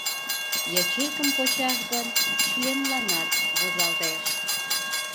Ячейкым почаш гын, членланат возалтеш.